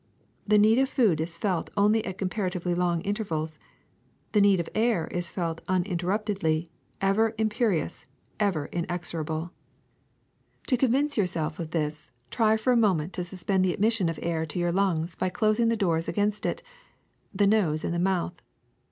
The need of food is felt only at comparatively long intervals ; the need of air is felt uninterruptedly, ever imperious, ever inexorable. ?9a AIR 299 *^To convince yourself of this, try for a moment to suspend the admission of air to your lungs by closing the doors against it, the nose and the mouth.